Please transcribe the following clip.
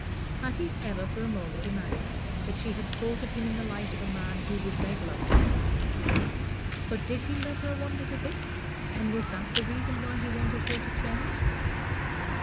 Had he ever for a moment imagined that she had thought of him in the light of a man who would make love to her? But did he love her one little bit, and was that the reason why he wanted her to change?